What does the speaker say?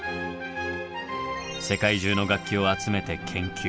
世界中の楽器を集めて研究。